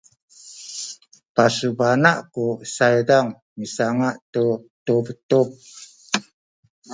pasubana’ ku saydan misanga’ tu tubtub